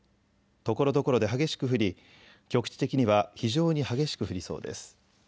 ところどころで激しく降り局地的には非常に激しく降りそうです。